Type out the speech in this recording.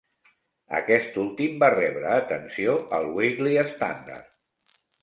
Aquest últim va rebre atenció al Weekly Standard.